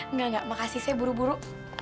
enggak enggak makasih saya buru buru